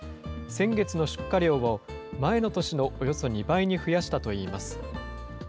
先月の出荷量を前の年のおよそ２倍に増やしたといいます。